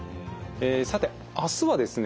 さて明日はですね